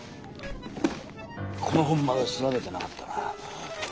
この本まだ調べてなかったな。